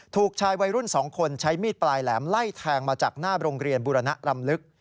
ถูกชายวัยรุ่น๒คนใช้มีดปลายแหลมไล่แทงมาจากหน้าโรงเรียนบุรณรำลึก